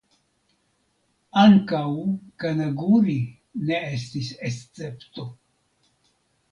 Ankaŭ Kanaguri ne estis escepto.